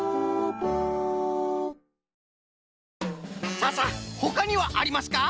さあさあほかにはありますか？